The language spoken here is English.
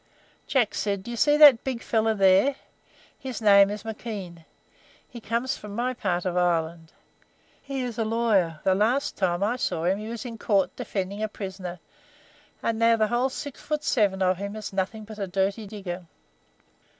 Jack said: "Do you see that big fellow there? His name is McKean. He comes from my part of Ireland. He is a lawyer; the last time I saw him he was in a court defending a prisoner, and now the whole six feet seven of him is nothing but a dirty digger."